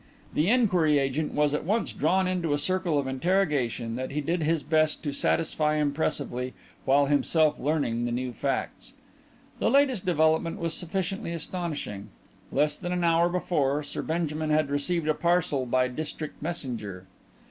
The inquiry agent was at once drawn into a circle of interrogation that he did his best to satisfy impressively while himself learning the new facts. The latest development was sufficiently astonishing. Less than an hour before Sir Benjamin had received a parcel by district messenger.